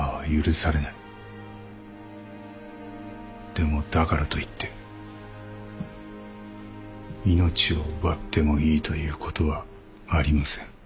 でもだからといって命を奪ってもいいということはありません。